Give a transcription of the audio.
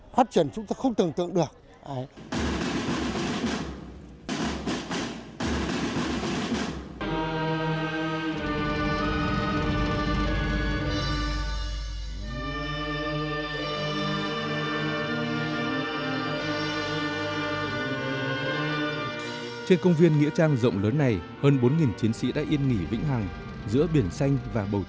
phát triển chúng ta không tưởng tượng được